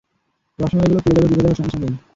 রসমালাইগুলো ফুলে যাবে দুধে দেওয়ার সঙ্গে সঙ্গেই।